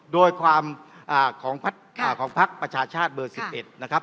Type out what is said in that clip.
โดยความของพักประชาชาติเบอร์๑๑นะครับ